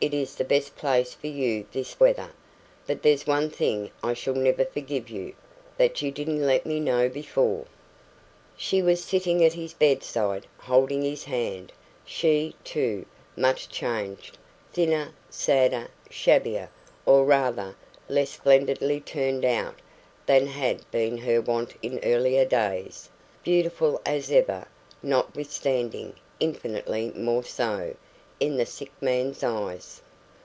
It is the best place for you this weather. But there's one thing I shall never forgive you that you didn't let me know before." She was sitting at his bedside, holding his hand she, too, much changed, thinner, sadder, shabbier, or rather, less splendidly turned out than had been her wont in earlier days; beautiful as ever, notwithstanding infinitely more so, in the sick man's eyes.